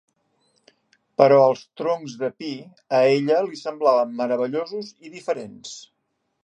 Però els troncs de pi a ella li semblaven meravellosos i diferents.